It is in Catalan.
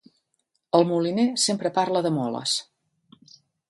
El moliner sempre parla de moles.